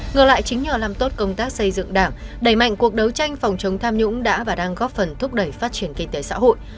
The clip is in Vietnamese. ngược lại chính nhờ làm tốt công tác xây dựng đảng đẩy mạnh cuộc đấu tranh phòng chống tham nhũng đã và đang góp phần thúc đẩy phát triển kinh tế xã hội